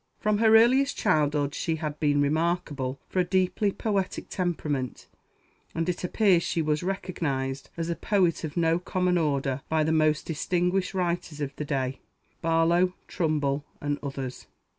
From her earliest childhood she had been remarkable for a deeply poetic temperament, and it appears she was recognized as a poet of no common order by the most distinguished writers of the day Barlow, Trumbull, and others.